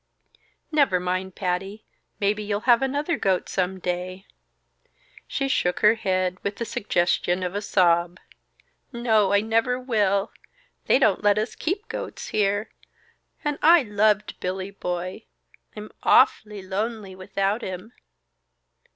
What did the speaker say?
"Never mind, Patty! Maybe you'll have another goat some day." She shook her head, with the suggestion of a sob. "No, I never will! They don't let us keep goats here. And I loved Billy Boy. I'm awfully lonely without him."